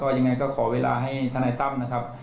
ยังไงก็ขอเวลาให้ทนายตั้มนะครับ